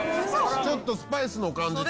ちょっとスパイスの感じと。